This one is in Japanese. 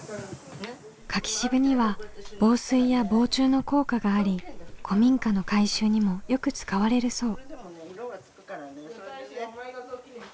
柿渋には防水や防虫の効果があり古民家の改修にもよく使われるそう。